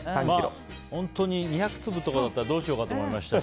本当に２００粒とかだったらどうしようかと思いましたし。